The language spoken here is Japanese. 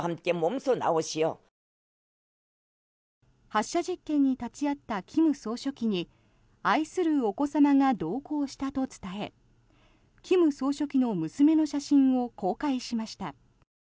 発射実験に立ち会った金総書記に愛するお子様が同行したと伝え金総書記の娘の写真を公開しました。